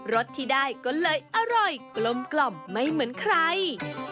สที่ได้ก็เลยอร่อยกลมไม่เหมือนใคร